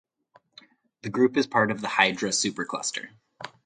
The group is part of the Hydra Supercluster.